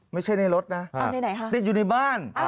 ไม่ใช่ในรถนะติดอยู่ในบ้าน